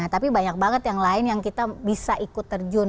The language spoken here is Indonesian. tapi banyak banget yang lain yang kita bisa ikut terjun